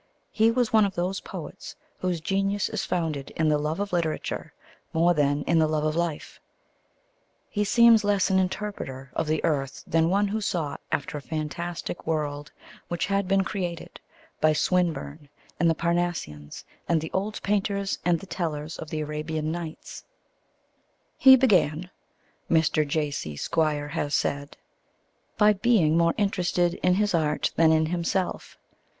He was one of those poets whose genius is founded in the love of literature more than in the love of life. He seems less an interpreter of the earth than one who sought after a fantastic world which had been created by Swinburne and the Parnassians and the old painters and the tellers of the Arabian Nights. "He began," Mr. J.C. Squire has said, "by being more interested in his art than in himself."